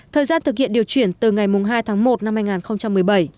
thời gian thực hiện điều chuyển từ ngày hai tháng một năm hai nghìn một mươi bảy